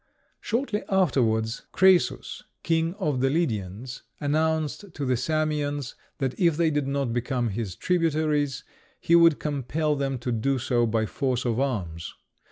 Shortly afterwards Crœsus, King of the Lydians, announced to the Samians that if they did not become his tributaries, he would compel them to do so by force of arms.